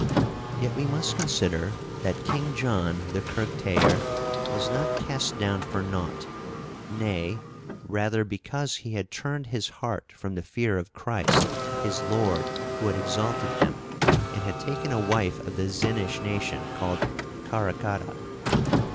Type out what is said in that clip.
Yet we must consider that King John the Kergtajer was not cast down for nought; nay, rather, because he had turned his heart from the fear of Christ his Lord, who had exalted him, and had taken a wife of the Zinish nation, called Quarakhata.